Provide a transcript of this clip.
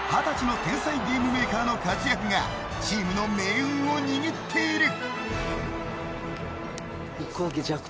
スペインの象徴２０歳のゲームメーカーの活躍がチームの命運を握っている。